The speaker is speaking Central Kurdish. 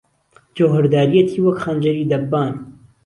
جهوهەرداریهتی وهک خهنجهری دهببان